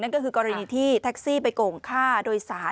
ก็คือกรณีที่แท็กซี่ไปโกงค่าโดยสาร